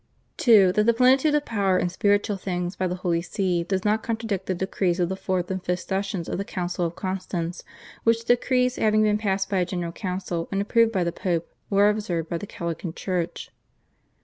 (2) That the plenitude of power in spiritual things by the Holy See does not contradict the decrees of the fourth and fifth sessions of the Council of Constance, which decrees, having been passed by a General Council and approved by the Pope, were observed by the Gallican church.